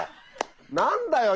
何だよ